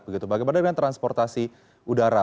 bagaimana dengan transportasi udara